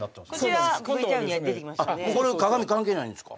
あっこれ鏡関係ないんですか？